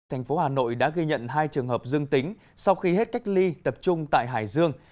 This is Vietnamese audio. thành phố hà nội đã ghi nhận hai trường hợp dương tính sau khi hết cách ly tập trung tại hải dương